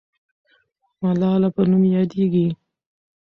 ملاله په نوم یادېږي.